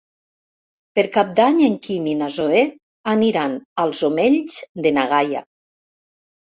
Per Cap d'Any en Quim i na Zoè aniran als Omells de na Gaia.